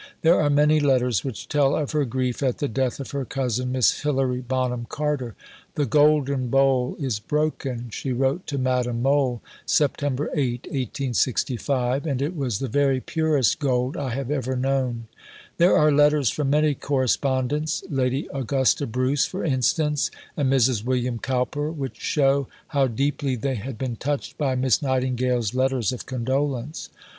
There are many letters which tell of her grief at the death of her cousin, Miss Hilary Bonham Carter: "the golden bowl is broken," she wrote to Madame Mohl (Sept. 8, 1865), "and it was the very purest gold I have ever known." There are letters from many correspondents Lady Augusta Bruce, for instance, and Mrs. William Cowper which show how deeply they had been touched by Miss Nightingale's letters of condolence.